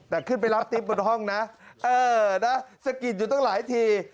แต่ขึ้นไปรับติ๊บบนห้องนะเออนะสะกิดอยู่ตั้งหลายที